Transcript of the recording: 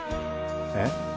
えっ？